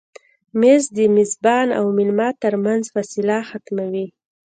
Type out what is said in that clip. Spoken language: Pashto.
مېز د میزبان او مېلمه تر منځ فاصله ختموي.